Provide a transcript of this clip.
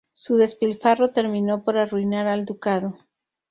Su despilfarro terminó por arruinar al ducado.